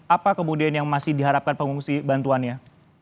apa kemudian yang masih diharapkan pengungsi bantuannya